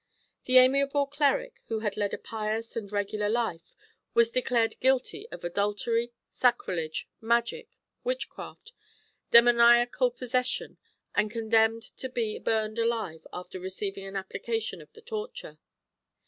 The amiable cleric, who had led a pious and regular life, was declared guilty of adultery, sacrilege, magic, witchcraft, demoniacal possession, and condemned to be burned alive after receiving an application of the torture.